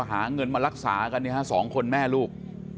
หาเงินมารักษากัน๒คนแม่ลูก